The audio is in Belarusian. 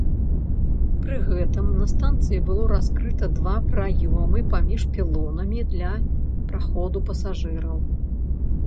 Пры гэтым на станцыі было раскрыта два праёмы паміж пілонамі для праходу пасажыраў.